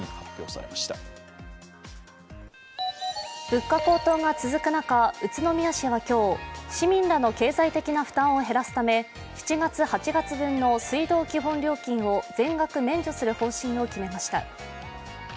物価高騰が続く中、宇都宮市は今日、市民らの経済的な負担を減らすため７月、８月分の水道基本料金を全額免除する方針を決めました。